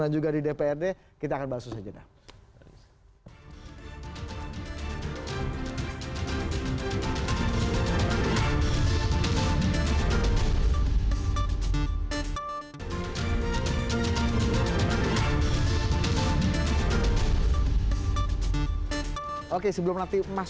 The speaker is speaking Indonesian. dan juga di dprd kita akan bahas itu saja